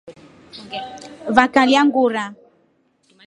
Vakalya ngurya.